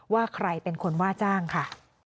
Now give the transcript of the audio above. ว่าใครเป็นคนว่าจ้างค่ะ